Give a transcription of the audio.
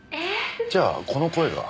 じゃあこの声が？